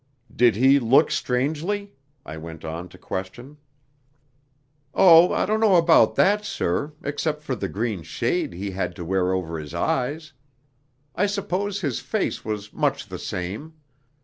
"Did he look strangely?" I went on to question. "Oh, I don't know about that, sir, except for the green shade he had to wear over his eyes; I suppose his face was much the same.